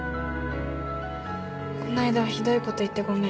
この間はひどいこと言ってごめん。